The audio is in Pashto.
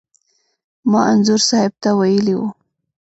ما انځور صاحب ته ویلي و.